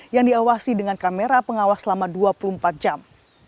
yang diawasi dengan kamera pengawas selama dua puluh empat jam